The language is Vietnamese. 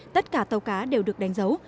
tất cả tàu cá đều được đánh dấu